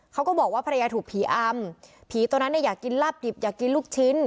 เขาก็บอกว่าภรรยาถูกผีอำผีตัวนั้นเนี่ยอยากกินลาบดิบอยากกินลูกชิ้น